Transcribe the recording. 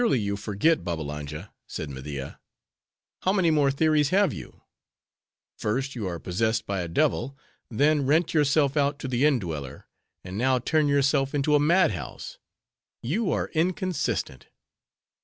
"Surely you forget, Babbalanja," said Media. "How many more theories have you? First, you are possessed by a devil; then rent yourself out to the indweller; and now turn yourself into a mad house. You are inconsistent."